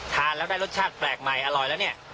ทานแล้วได้รสชาติแปลกใหม่อร่อยแล้วเนี่ย